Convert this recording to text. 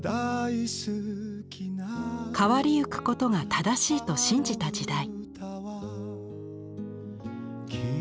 変わり行くことが正しいと信じた時代。